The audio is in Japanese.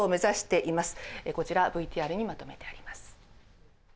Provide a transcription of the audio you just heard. こちらＶＴＲにまとめてあります。